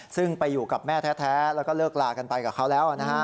ซึ่งไปอยู่กับแม่แท้แล้วก็เลิกลากันไปกับเขาแล้วนะฮะ